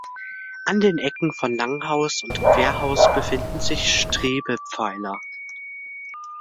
An den Ecken von Langhaus und Querhaus befinden sich Strebepfeiler.